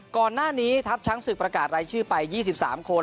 ก่อนหน้านี้ทัพช้างศึกประกาศรายชื่อไป๒๓คน